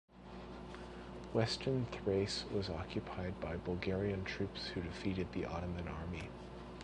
Western Thrace was occupied by Bulgarian troops who defeated the Ottoman army.